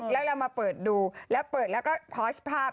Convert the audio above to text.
แล้วเรามาเปิดดูแล้วเปิดแล้วก็โพสต์ภาพ